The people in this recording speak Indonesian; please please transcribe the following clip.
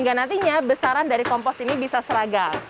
karena kebesaran dari kompos ini bisa seragam